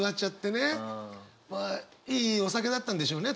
まあいいお酒だったんでしょうね